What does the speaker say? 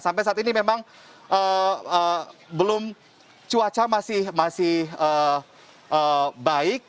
sampai saat ini memang belum cuaca masih baik